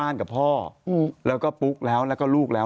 เร็วเร็ว